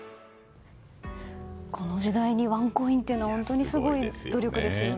この時代にワンコインって本当にすごい努力ですよね。